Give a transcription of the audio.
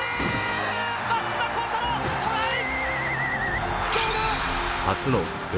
松島幸太朗トライ！